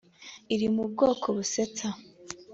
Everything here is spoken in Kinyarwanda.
iri mu bwoko busetsa